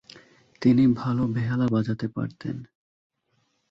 তিনি ভাল বেহালা বাজাতে পারতেন।